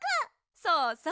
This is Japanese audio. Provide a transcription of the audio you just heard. そうそう！